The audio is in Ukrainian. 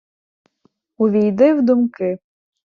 Увійди в думки...